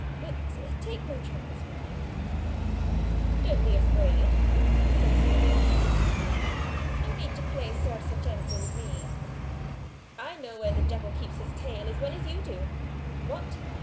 But take no trumpets with you." "Don't be afraid," said Spini, a little piqued. "No need to play Ser Saccente with me. I know where the devil keeps his tail as well as you do. What!